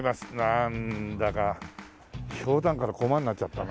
なんだかひょうたんから駒になっちゃったな。